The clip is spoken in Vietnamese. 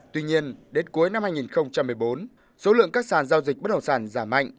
tuy nhiên đến cuối năm hai nghìn một mươi bốn số lượng các sàn giao dịch bất đồng sản giảm mạnh